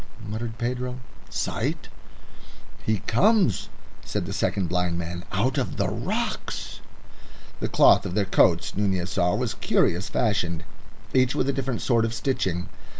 muttered Pedro. "Sight?" "He comes," said the second blind man, "out of the rocks." The cloth of their coats Nunez saw was curiously fashioned, each with a different sort of stitching.